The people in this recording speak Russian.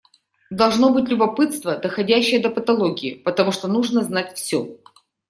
Должно быть любопытство, доходящее до патологии, потому что нужно знать все.